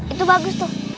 itu bagus tuh